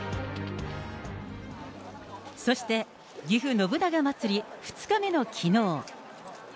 そして、ぎふ信長まつり２日目のきのう。